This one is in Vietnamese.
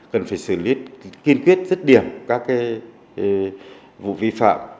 cần phải xử lý kiên quyết rứt điểm các vụ vi phạm